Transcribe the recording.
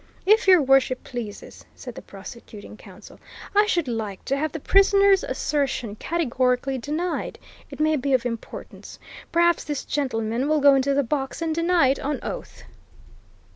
"If Your Worship pleases," said the prosecuting counsel, "I should like to have the prisoner's assertion categorically denied it may be of importance. Perhaps this gentleman will go into the box and deny it on oath."